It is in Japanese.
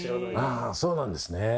あそうなんですね。